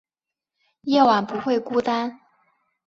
夜晚不会孤单